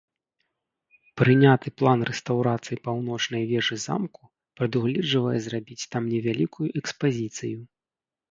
Прыняты план рэстаўрацыі паўночнай вежы замку прадугледжвае зрабіць там невялікую экспазіцыю.